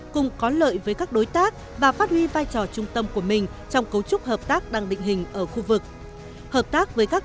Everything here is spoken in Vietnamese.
cùng có lợi với các đối tác và phát huy vai trò trung tâm của mình trong cấu trúc hợp tác đang định hình ở khu vực